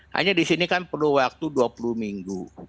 hanya di sini kan perlu waktu dua puluh minggu